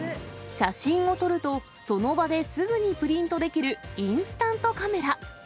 写真を撮ると、その場ですぐにプリントできるインスタントカメラ。